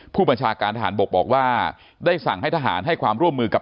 ผู้บัญชาการทหารบกบอกว่าได้สั่งให้ทหารให้ความร่วมมือกับ